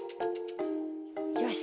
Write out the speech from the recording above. よし！